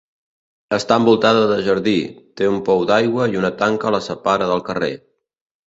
Està envoltada de jardí, té un pou d'aigua i una tanca la separa del carrer.